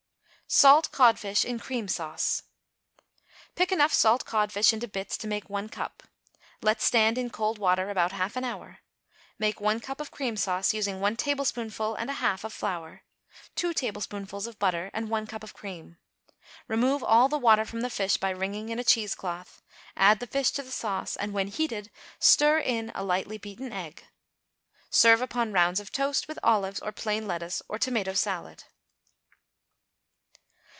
=Salt Codfish in Cream Sauce.= Pick enough salt codfish into bits to make one cup. Let stand in cold water about half an hour. Make one cup of cream sauce, using one tablespoonful and a half of flour, two tablespoonfuls of butter and one cup of cream; remove all the water from the fish by wringing in a cheese cloth, add the fish to the sauce, and, when heated, stir in a lightly beaten egg. Serve upon rounds of toast, with olives, or plain lettuce, or tomato salad.